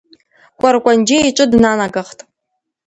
Кәаркәанџьиа иҿы днанагахт.